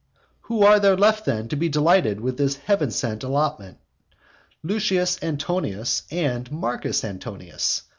Who are there left then to be delighted with this heavensent allotment? Lucius Antonius and Marcus Antonius!